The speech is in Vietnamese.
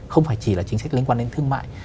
không phải chỉ là chính sách liên quan đến thương mại